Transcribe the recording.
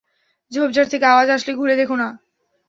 ঝোপঝাড় থেকে আওয়াজ আসলে ঘুরে দেখে না!